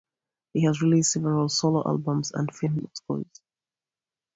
He has released several solo albums and film scores.